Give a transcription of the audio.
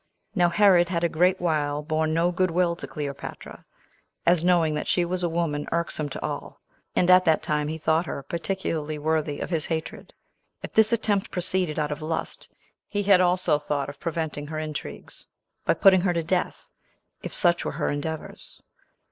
Now Herod had a great while borne no good will to Cleopatra, as knowing that she was a woman irksome to all; and at that time he thought her particularly worthy of his hatred, if this attempt proceeded out of lust; he had also thought of preventing her intrigues, by putting her to death, if such were her endeavors.